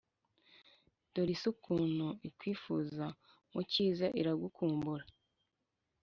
dore isi ukuntu ikwifuza, mukiza iragukumbura!